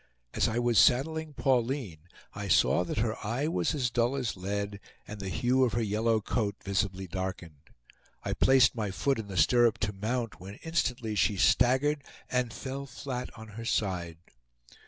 As I was saddling Pauline I saw that her eye was as dull as lead, and the hue of her yellow coat visibly darkened. I placed my foot in the stirrup to mount, when instantly she staggered and fell flat on her side.